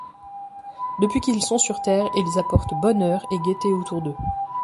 Depuis qu'ils sont sur Terre ils apportent bonheur et gaieté autour d'eux.